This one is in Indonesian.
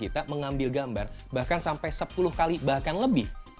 kita mengambil gambar bahkan sampai sepuluh kali bahkan lebih